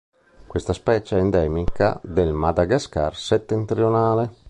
Questa specie è endemica del Madagascar settentrionale.